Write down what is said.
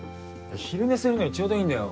昼寝するには丁度いいんだよ。